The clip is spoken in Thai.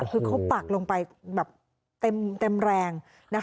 คือเขาปักลงไปแบบเต็มแรง